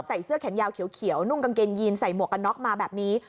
ใส่เสื้อแขนยาวเขียวนุ่งกางเกงยีนใส่หมวกกันน็อกมาแบบนี้